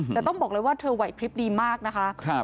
แต่ต้องบอกเลยว่าเธอไหวพลิบดีมากนะคะ